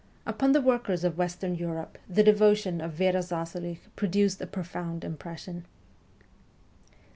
Upon the workers of Western Europe the devotion of V6ra Zasulich produced a profound impression.